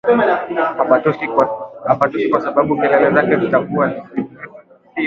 hapatoshi kwa sababu kelele zake zitakuwa siyo